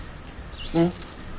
うん？